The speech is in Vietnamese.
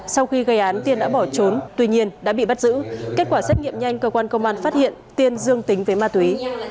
sau khi gây án tiên đã bỏ trốn tuy nhiên đã bị bắt giữ kết quả xét nghiệm nhanh cơ quan công an phát hiện tiên dương tính với ma túy